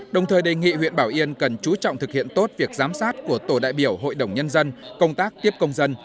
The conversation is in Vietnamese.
đồng thời đề nghị huyện bảo yên cần chú trọng thực hiện tốt việc giám sát của tổ đại biểu hội đồng nhân dân công tác tiếp công dân